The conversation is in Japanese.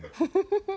フフフフ。